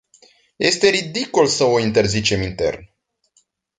Este ridicol să o interzicem intern.